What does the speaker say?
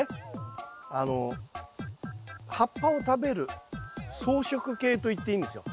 あの葉っぱを食べる草食系といっていいんですよ。